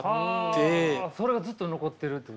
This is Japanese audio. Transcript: それがずっと残っているっていう。